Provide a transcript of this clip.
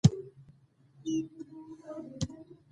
ليونی يار پسې شيشې خوړلي دينه